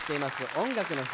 「音楽の日」。